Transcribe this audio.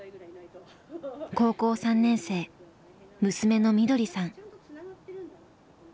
高校３年生娘のみどりさん。